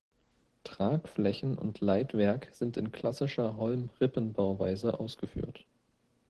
Tragflächen und Leitwerk sind in klassischer Holm-Rippenbauweise ausgeführt.